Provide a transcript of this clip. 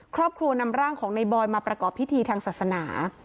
ครอบครัวนำร่างของในบอยมาประกอบพิธีทางศาสนา